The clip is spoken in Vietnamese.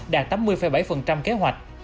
đạt tám mươi bảy kế hoạch